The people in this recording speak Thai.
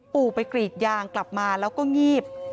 ปู่ไปกรีดยางกลับมาแล้วก็งีบ